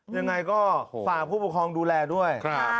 ยังไงก็ฝากผู้ปกครองดูแลด้วย